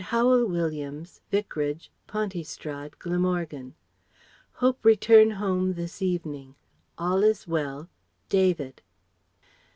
Howel Williams, Vicarage, Pontystrad, Glamorgan. Hope return home this evening. All is well. DAVID.